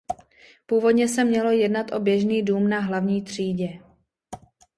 Původně se mělo jednat o běžný dům na hlavní třídě.